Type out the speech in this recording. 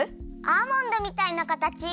アーモンドみたいなかたち！